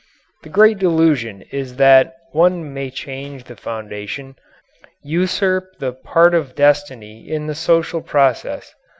The great delusion is that one may change the foundation usurp the part of destiny in the social process.